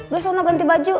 lu selalu mau ganti baju